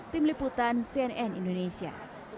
tim liputan cnn indonesia